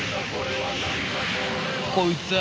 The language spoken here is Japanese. こいつぁ